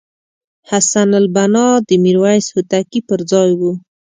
حسن البناء د میرویس هوتکي پرځای وو.